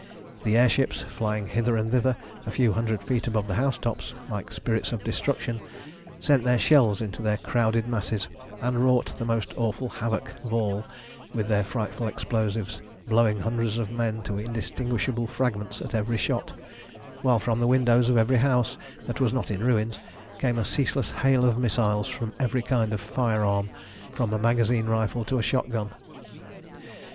The air ships, flying hither and thither a few hundred feet above the house tops, like spirits of destruction, sent their shells into their crowded masses and wrought the most awful havoc of all with their frightful explosives, blowing hundreds of men to indistinguishable fragments at every shot, while from the windows of every house that was not in ruins came a ceaseless hail of missiles from every kind of firearm, from a magazine rifle to a shot gun.